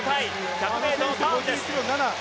１００ｍのターンです。